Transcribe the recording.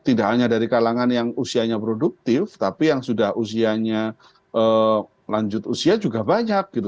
tidak hanya dari kalangan yang usianya produktif tapi yang sudah usianya lanjut usia juga banyak gitu